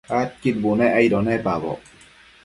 Adquid bunec aido nepaboc